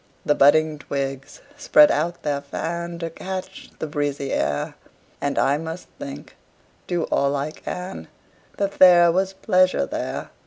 The budding twigs spread out their fan, To catch the breezy air; And I must think, do all I can, That there was pleasure there.